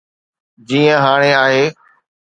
جيئن هاڻي آهي.